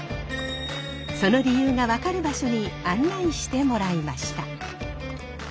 その理由が分かる場所に案内してもらいました。